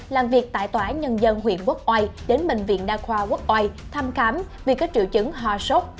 đến bệnh viện quốc oai đến bệnh viện đa khoa quốc oai thăm khám vì có triệu chứng hòa sốt